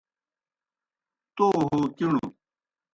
تو ہو کِݨوْ